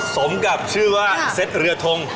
สมกับชื่อว่าเซ็ตเรือทง